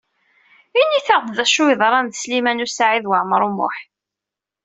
Init-aɣ-d acu yeḍran d Sliman U Saɛid Waɛmaṛ U Muḥ.